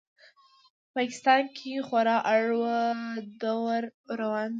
په پاکستان کې خورا اړ و دوړ روان دی.